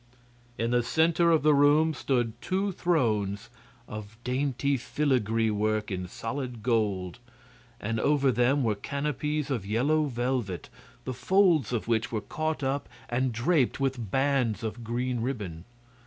In the center of the room stood two thrones of dainty filigree work in solid gold, and over them were canopies of yellow velvet, the folds of which were caught up and draped with bands of green ribbon.